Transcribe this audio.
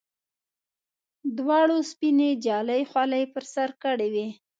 دواړو سپینې جالۍ خولۍ پر سر کړې وې.